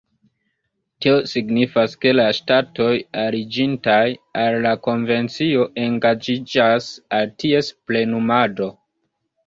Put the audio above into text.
Tio signifas, ke la ŝtatoj aliĝintaj al la konvencio engaĝiĝas al ties plenumado.